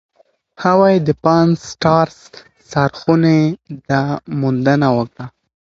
هاوايي د پان-سټارس څارخونې دا موندنه وکړه.